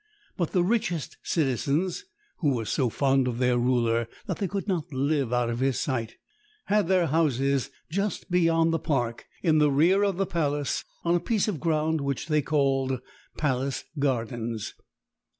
But the richest citizens, who were so fond of their ruler that they could not live out of his sight, had their houses just beyond the park, in the rear of the Palace, on a piece of ground which they called Palace Gardens.